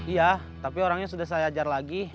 iya tapi orangnya sudah saya ajar lagi